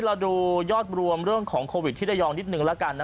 เราดูยอดรวมเรื่องของโควิดที่ระยองนิดนึงแล้วกันนะ